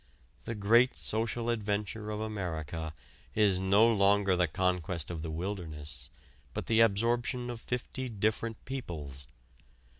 The great social adventure of America is no longer the conquest of the wilderness but the absorption of fifty different peoples.